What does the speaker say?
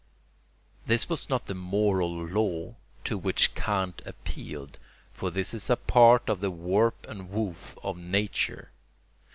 This was not the moral law to which Kant appealed, for this is a part of the warp and woof of nature.